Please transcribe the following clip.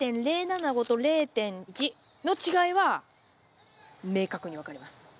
０．０７５と０．１の違いは明確に分かります。